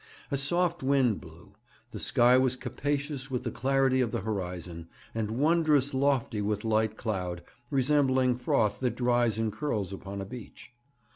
A soft wind blew. The sky was capacious with the clarity of the horizon, and wondrous lofty with light cloud, resembling froth that dries in curls upon a beach.